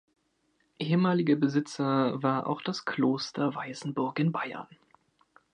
Ehemaliger Besitzer war auch das Kloster Weißenburg in Bayern.